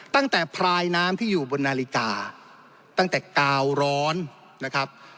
พลายน้ำที่อยู่บนนาฬิกาตั้งแต่กาวร้อนนะครับ